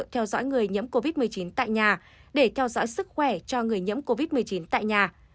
theo dõi người nhiễm covid một mươi chín tại nhà để theo dõi sức khỏe cho người nhiễm covid một mươi chín tại nhà